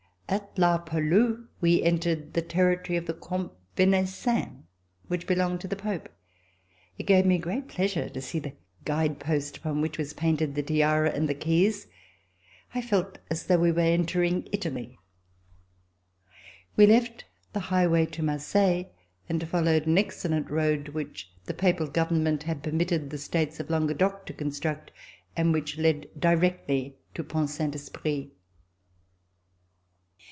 At La Palud we entered the territory of the Comte Venaissin, which belonged to the Pope. It gave me great pleasure to see the guide post upon which was painted the tiara and the keys. I felt as though we were entering Italy. We left the highway to Marseille and followed an excellent road, which the Papal Government had permitted the States of Languedoc to construct, and which led directly to Pont Saint Esprit.